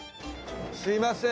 すいません。